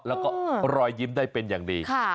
แล้วก็รอยยิ้มได้เป็นอย่างดี